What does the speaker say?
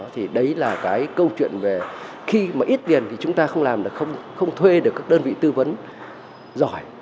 thì đấy là cái câu chuyện về khi mà ít tiền thì chúng ta không làm được không thuê được các đơn vị tư vấn giỏi